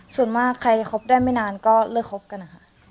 ส่วนมากใครคบได้ไม่นานก็เลิกคบกันนะคะ